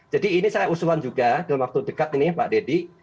jadi ini saya usulan juga dalam waktu dekat ini pak deddy